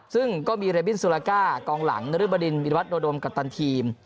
ซึ่งก็มีเรบินซูลาก้ากองหลังนรึบดินวิรวัตโดมกัปตันทีม